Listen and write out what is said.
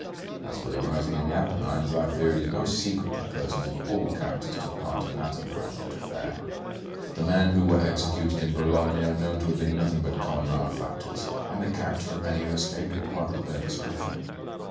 As for the rising in the Apennines, I fear it is no secret that persons of all characters took part in that unfortunate affair. The men who were executed in Bologna are known to have been nothing but common malefactors; and the character of many who escaped will hardly bear description.